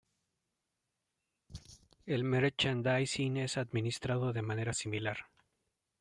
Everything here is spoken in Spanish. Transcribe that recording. El merchandising es administrado de manera similar.